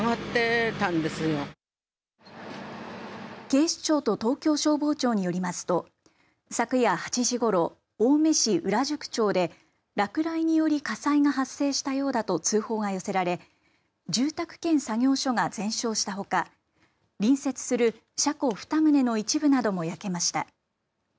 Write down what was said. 警視庁と東京消防庁によりますと昨夜８時ごろ青梅市裏宿町で落雷により火災が発生したようだと通報が寄せられ住宅兼作業所が全焼したほか隣接する車庫２棟の一部なども焼けました。